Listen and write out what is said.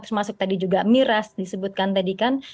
termasuk tadi juga miras disebutkan tadi kan